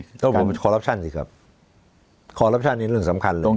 ระบบของคอลลัพชันสิครับคอลลัพชันนี้เรื่องสำคัญเลย